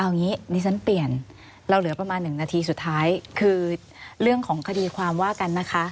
เอางี้ดิฉันเปลี่ยนเราเหลือประมาณ๑นาทีสุดท้ายคือเรื่องของคดีความว่ากันนะคะ